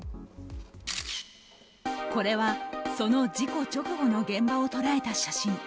これは、その事故直後の現場を捉えた写真。